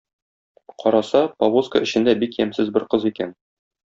Караса, повозка эчендә бик ямьсез бер кыз икән.